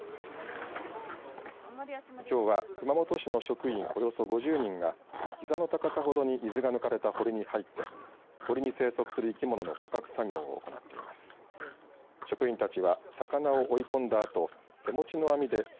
きょうは熊本市の職員およそ５０人がひざの高さほどに水が抜かれた堀に入って堀に生息する生き物の捕獲作業を行っています。